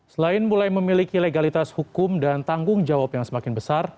selain mulai memiliki legalitas hukum dan tanggung jawab yang semakin besar